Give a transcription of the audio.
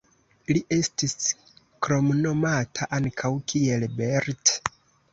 Li estis kromnomata ankaŭ kiel Bert.